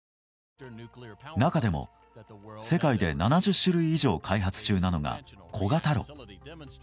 中でも世界で７０種類以上開発中なのが小型炉。